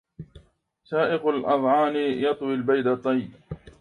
سائق الأظعان يطوي البيد طي